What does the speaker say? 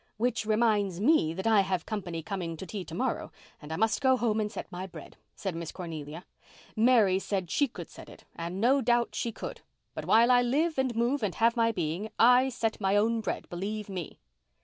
"Which reminds me that I have company coming to tea to morrow and I must go home and set my bread," said Miss Cornelia. "Mary said she could set it and no doubt she could. But while I live and move and have my being I set my own bread, believe me."